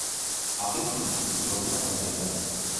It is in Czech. Api klíč pro knihovnu Akademie věd.